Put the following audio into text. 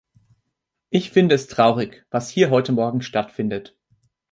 Ich finde, es ist traurig, was hier heute morgen stattfindet.